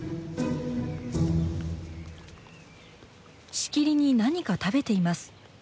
しきりに何か食べています。